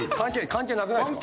関係なくないですか？